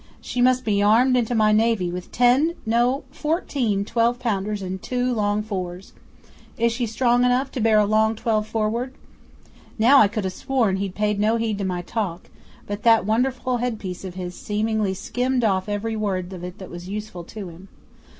She must be armed into my Navy with ten no, fourteen twelve pounders and two long fours. Is she strong enough to bear a long twelve forward?" 'Now I could ha' sworn he'd paid no heed to my talk, but that wonderful head piece of his seemingly skimmed off every word of it that was useful to him.